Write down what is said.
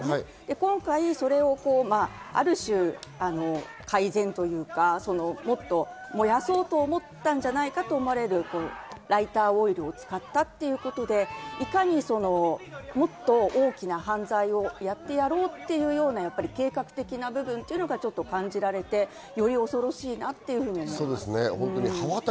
今回、それをある種、改善というか、もっと燃やそうと思ったんじゃないかと思われるライターオイルを使ったっていうことでいかにもっと大きな犯罪をやってやろうっていうような計画的な部分が感じられてより恐ろしいなと思いました。